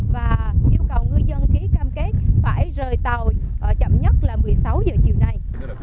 và yêu cầu ngư dân ký cam kết phải rời tàu chậm nhất là một mươi sáu giờ chiều nay